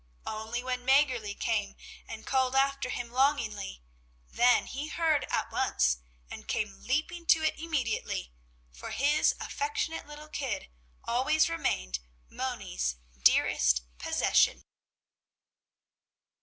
Only when Mäggerli came and called after him longingly, then he heard at once and came leaping to it immediately, for his affectionate little kid always remained Moni's dearest possession.